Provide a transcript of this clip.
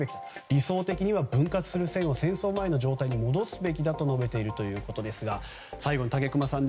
理想的には分割する線を戦争前の状態に戻すべきだと述べているということですが最後に武隈さん。